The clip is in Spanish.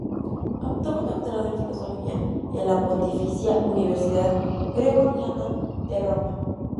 Obtuvo el doctorado en Filosofía en la Pontificia Universidad Gregoriana de Roma.